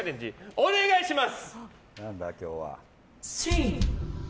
お願いします。